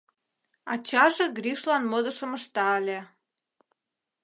Ачаже Гришлан модышым ышта ыле.